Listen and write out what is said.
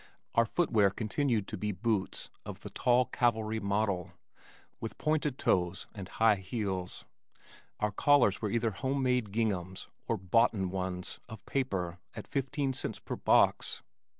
Our footwear continued to be boots of the tall cavalry model with pointed toes and high heels. Our collars were either home made ginghams or "boughten" ones of paper at fifteen cents per box.